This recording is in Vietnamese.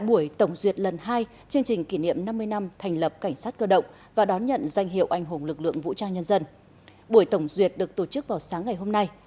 buổi tổng duyệt được tổ chức vào sáng ngày hôm nay